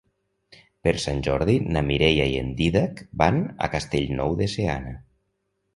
Per Sant Jordi na Mireia i en Dídac van a Castellnou de Seana.